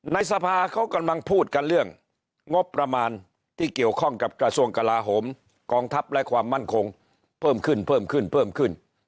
ในสภาเขากำลังพูดกันเรื่องงบประมาณที่เกี่ยวข้องกับกระทรวงกลาโหมกองทัพและความมั่นคงเพิ่มขึ้นเพิ่มขึ้นเพิ่มขึ้น